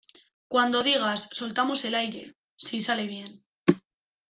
cuando digas, soltamos el aire. si sale bien